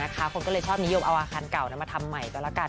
คนก็เลยชอบนิยมเอาอาคารเก่ามาทำใหม่ก็แล้วกัน